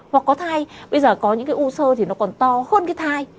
hoặc có thai bây giờ có những cái u sơ thì nó còn to hơn cái thai